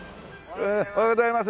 おはようございます。